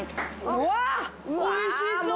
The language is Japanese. うわおいしそう。